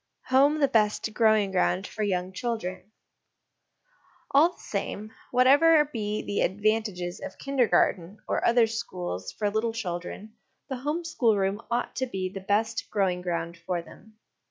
Home the best Growing ground for Young Children. All the same, whatever be the advan tages of Kindergarten or other schools for little children, the home schoolroom ought to be the best growing ground for them.